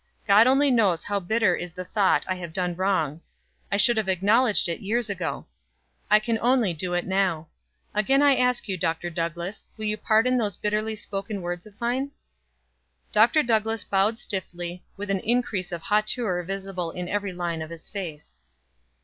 God only knows how bitter is the thought I have done wrong; I should have acknowledged it years ago. I can only do it now. Again I ask you. Dr. Douglass, will you pardon those bitterly spoken words of mine?" Dr. Douglass bowed stiffly, with an increase of hauteur visible in every line of his face.